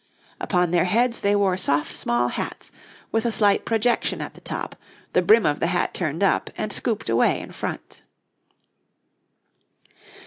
Upon their heads they wore soft, small hats, with a slight projection at the top, the brim of the hat turned up, and scooped away in front.